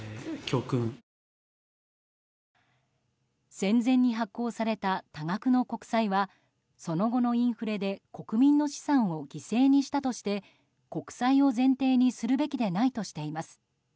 戦前に発行された多額の国債はその後のインフレで国民の資産を犠牲にしたとして国債を前提にするべきでないとしています。